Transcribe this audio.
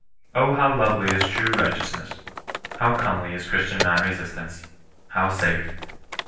O how lovely is true righteousness ! How comely is Christian non resistance ! How safe